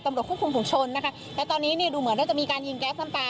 ตำรวจคุมภูมิชนนะคะและตอนนี้ดูเหมือนจะมีการยิงแก๊สน้ำตา